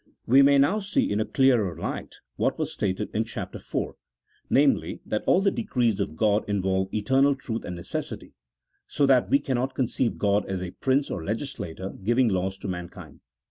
We may now see in a clearer light what was stated in Chapter IV., namely, that all the decrees of God involve eternal truth and necessity, so that we cannot conceive God as a prince or legislator giving laws to mankind.